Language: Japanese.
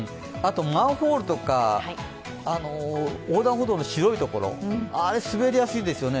マンホールとか、横断歩道の白いところ、あれ、滑りやすいですよね。